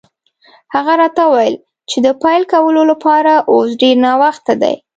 هغه راته وویل چې د پیل کولو لپاره اوس ډېر ناوخته دی.